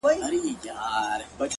• رنځ یې تللی له هډونو تر رګونو,